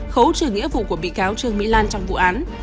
khấu trừ nghĩa vụ của bị cáo trương mỹ lan trong vụ án